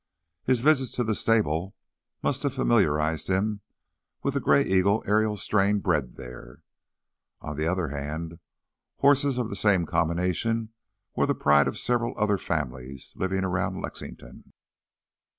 His visits to the stable must have familiarized him with the Gray Eagle Ariel strain bred there. On the other hand, horses of the same combination were the pride of several other families living around Lexington.